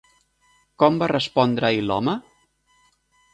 Com va respondre-hi l'home?